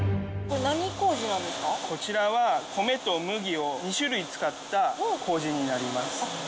こちらは、米と麦を２種類使ったこうじになります。